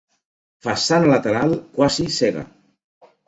Façana lateral quasi cega.